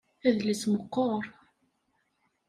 Adlis meqqer.